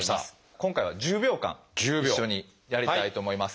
今回は１０秒間一緒にやりたいと思います。